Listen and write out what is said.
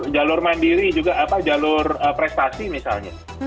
jalur mandiri juga apa jalur prestasi misalnya